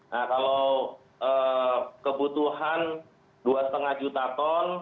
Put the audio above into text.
nah kalau kebutuhan dua lima juta ton